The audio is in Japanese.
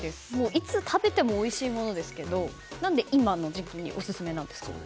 いつ食べてもおいしいものですが何で今の時期にオススメなんですか？